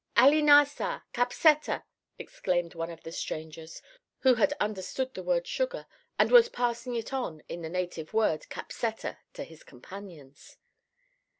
Ali ne ca! Capseta!_" exclaimed one of the strangers who had understood the word sugar and was passing it on in the native word, Capseta, to his companions.